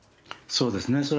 そうですね。